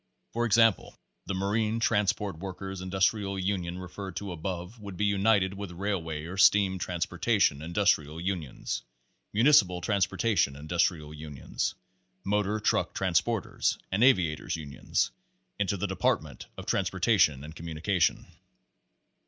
For exam Pasre Thirteen pie, the Marine Transport Workers' Industrial Unions referred to above would be united with Railway or Steam Transportation Industrial Unions, Municipal Transportation Industrial Unions, Motor Truck Trans porters, and Aviators' Unions, Into the "Department of Transportation and Communication."